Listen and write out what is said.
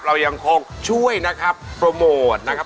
เรายังคงช่วยนะครับโปรโมทนะครับ